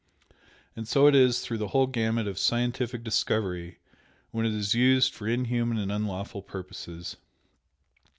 And so it is through the whole gamut of scientific discovery when it is used for inhuman and unlawful purposes.